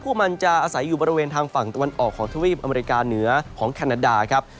มันจะอาศัยอยู่บริเวณทางฝั่งตะวันออกของทวีปอเมริกาเหนือของแคนาดาครับ